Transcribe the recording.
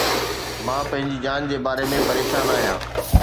مان پنهنجي جان جي باري ۾ پريشان آهيان.